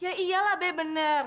ya iyalah be bener